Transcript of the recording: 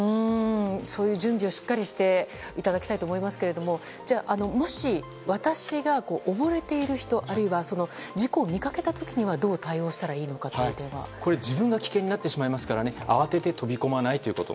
そういう準備をしっかりしていただきたいですがじゃあ、もし私が溺れている人あるいは事故を見かけた時にはどう対応したらいいのか自分が危険になってしまうから慌てて飛び込まないということ。